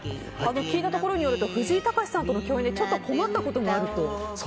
聞いたところによると藤井隆さんとの共演で困ったところがあると。